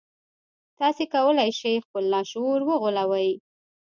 تاسې کولای شئ خپل لاشعور وغولوئ